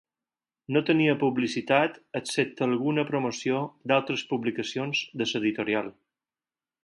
No tenia publicitat excepte alguna promoció d'altres publicacions de l'editorial.